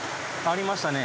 ありましたね。